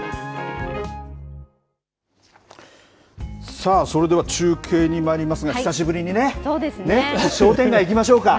さあ、それでは中継にまいりますが、久しぶりにね、商店街いきましょうか。